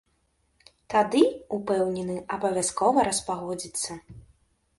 Тады, упэўнены, абавязкова распагодзіцца.